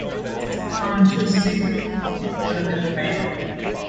Its county seat is Ortonville.